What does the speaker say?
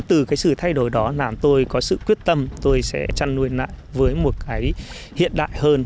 từ cái sự thay đổi đó làm tôi có sự quyết tâm tôi sẽ chăn nuôi lại với một cái hiện đại hơn